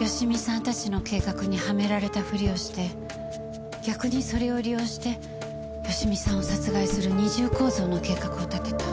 芳美さんたちの計画にはめられたふりをして逆にそれを利用して芳美さんを殺害する二重構造の計画を立てた。